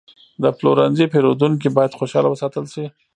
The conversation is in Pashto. د پلورنځي پیرودونکي باید خوشحاله وساتل شي.